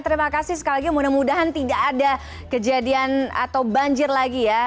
terima kasih sekali lagi mudah mudahan tidak ada kejadian atau banjir lagi ya